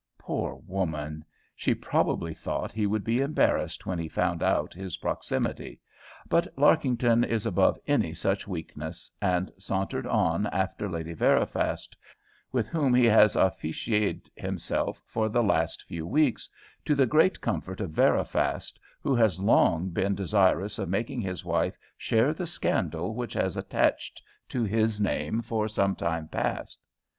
Poor woman! she probably thought he would be embarrassed when he found out his proximity; but Larkington is above any such weakness, and sauntered on after Lady Veriphast, with whom he has affichéd himself for the last few weeks, to the great comfort of Veriphast, who has long been desirous of making his wife share the scandal which has attached to his name for some time past.